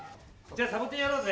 サボテンやろうぜ。